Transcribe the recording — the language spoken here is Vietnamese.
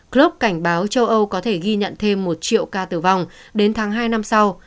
group cảnh báo châu âu có thể ghi nhận thêm một triệu ca tử vong đến tháng hai năm sau